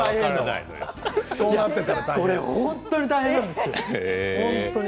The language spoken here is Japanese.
これ本当に大変なんですよ。